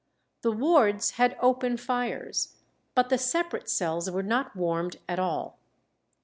The wards had open fires, but the separate cells were not warmed at all.